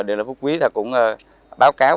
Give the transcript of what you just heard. điện lực phú quý cũng báo cáo